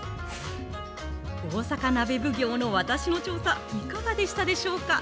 大阪鍋奉行の私の調査、いかがでしたでしょうか？